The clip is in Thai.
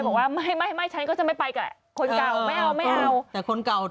บอกว่าไม่ฉันก็จะไม่ไปกับคนเก่าไม่เอา